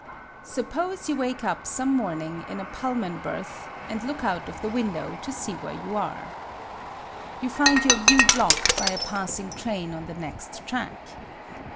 Suppose you wake up some morning in a Pullman berth and look out of the window to see where you are. 4 EASY LESSONS IN EINSTEIN You find your view blocked by a passing train on the next track.